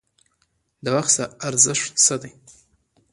د وخت ارزښت څه دی؟